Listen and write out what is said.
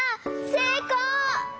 せいこう！